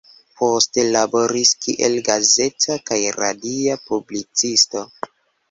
Poste laboris kiel gazeta kaj radia publicisto.